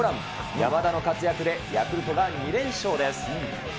山田の活躍で、ヤクルトが２連勝です。